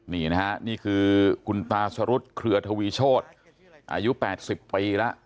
นี่นะฮะนี่คือคุณตาสรุธเครือทวีโชธอายุ๘๐ปีแล้ว